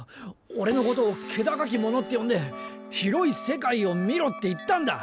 オレのことを気高き者って呼んで広い世界を見ろって言ったんだ。